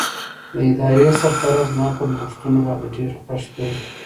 د ادارې سرپرست زما په نوښتونو باندې ډېر خوښ دی.